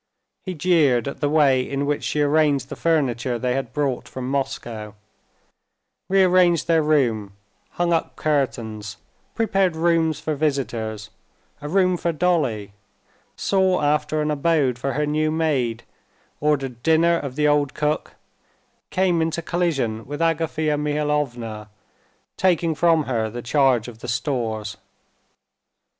He jeered at the way in which she arranged the furniture they had brought from Moscow; rearranged their room; hung up curtains; prepared rooms for visitors; a room for Dolly; saw after an abode for her new maid; ordered dinner of the old cook; came into collision with Agafea Mihalovna, taking from her the charge of the stores.